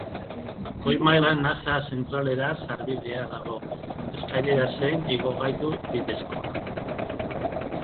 Goi-mailan nasa zentralera sarbidea dago, eskailera zein igogailu bidezkoa.